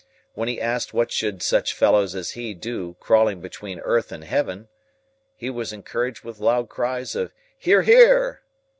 When he asked what should such fellows as he do crawling between earth and heaven, he was encouraged with loud cries of "Hear, hear!"